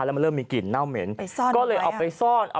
มันมันเริ่มมีกลิ่นเน่าเหม็น